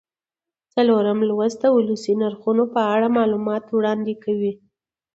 څلورم لوست د ولسي نرخونو په اړه معلومات وړاندې کوي.